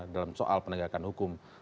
dalam soal penegakan hukum